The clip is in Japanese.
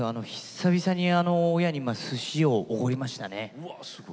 久々に親に、すしをおごりましたね。